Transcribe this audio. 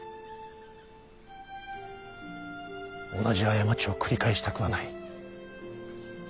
同じ過ちを繰り返したくはない。